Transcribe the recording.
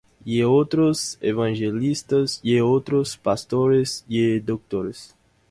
y otros, evangelistas; y otros, pastores y doctores;